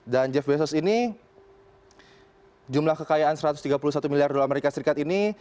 dan jeff bezos ini jumlah kekayaan satu ratus tiga puluh satu miliar dolar amerika serikat ini